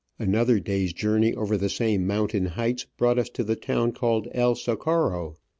Another day's journey over the same mountain heights brought us to the town called El Socorro.